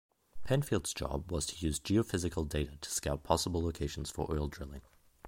Penfield's job was to use geophysical data to scout possible locations for oil drilling.